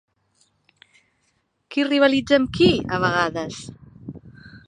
Qui rivalitza amb qui, a vegades?